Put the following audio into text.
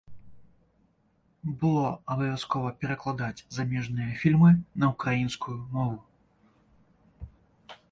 Было абавязкова перакладаць замежныя фільмы на ўкраінскую мову.